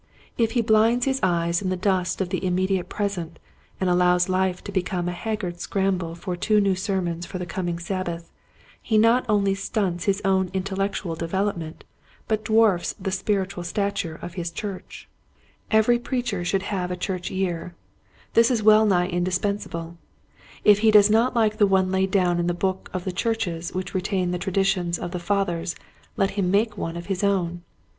If he blinds his eyes in the dust of the immediate present and allows life to become a haggard scramble for two new sermons for the coming Sabbath, he not only stunts his own intellectual de. velopment but dwarfs the spiritual stature of his church. Btiilding the Tower. 97 Every preacher should have a church year. This is well nigh indispensable. If he does not lilce the one laid down in the books of the churches which retain the tra ditions of the fathers let him make one of his own.